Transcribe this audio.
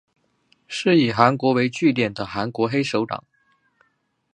是以韩国为据点的韩国黑手党。